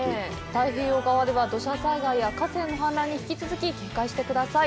太平洋側では、土砂災害や河川の氾濫に引き続いてお気をつけください。